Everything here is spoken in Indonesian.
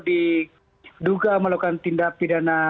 diduga melakukan tindak pidana